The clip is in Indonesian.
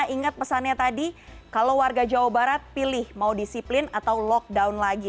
ingat pesannya tadi kalau warga jawa barat pilih mau disiplin atau lockdown lagi